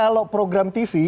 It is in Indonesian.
kalau program tv